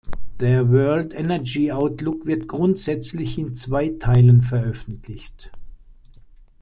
Der World Energy Outlook wird grundsätzlich in zwei Teilen veröffentlicht.